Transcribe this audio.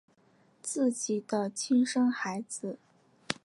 自己的亲生孩子